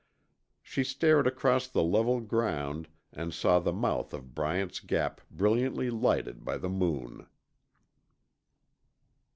She stared across the level ground and saw the mouth of Bryant's Gap brilliantly lighted by the moon.